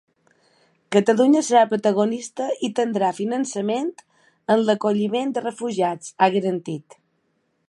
“Catalunya serà protagonista i tindrà finançament en l’acolliment de refugiats”, ha garantit.